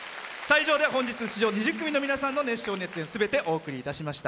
以上で本日出場２０組の皆さんの熱唱・熱演すべてお送りいたしました。